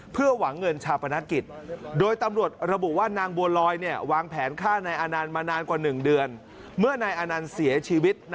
เพื่อหวังเงินชาปนักกิจ